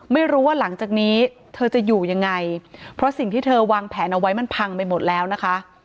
ไม่รู้ว่าหลังจากนี้เธอจะอยู่ยังไงเพราะสิ่งที่เธอวางแผนเอาไว้มันพังไปหมดแล้วนะคะ